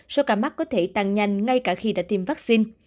so với ca mắc có thể tăng nhanh ngay cả khi đã tiêm vaccine